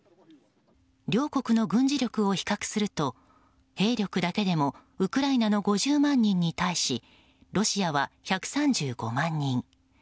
両国の軍事力を比較すると兵力だけでもウクライナの５０万人に対しロシアは１３５万人。